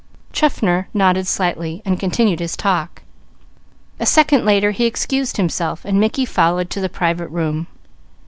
Chaffner nodded slightly, and continued his talk. A second later he excused himself, and Mickey followed to the private room.